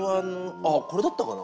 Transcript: あっこれだったかな？